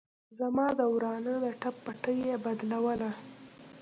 زما د ورانه د ټپ پټۍ يې بدلوله.